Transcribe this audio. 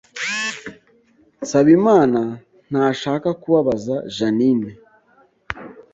Nsabimana ntashaka kubabaza Jeaninne